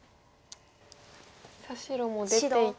さあ白も出ていって。